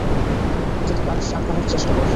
যদি পারিস আটকানোর চেষ্টা কর।